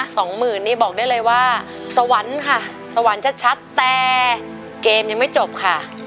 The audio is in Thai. สองหมื่นนี่บอกได้เลยว่าสวรรค์ค่ะสวรรค์ชัดชัดแต่เกมยังไม่จบค่ะ